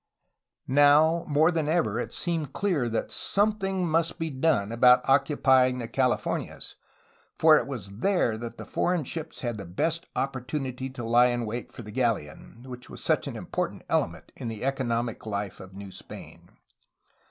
Now, more than ever, it seemed clear that something must be done about occupying the Californias, for it was there that the foreign ships had the best opportunity to lie in wait for the galleon, which was such an important element in the economic life of New Spain.